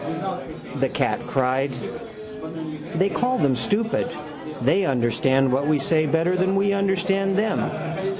—Mrkgnao! the cat cried. They call them stupid. They understand what we say better than we understand them.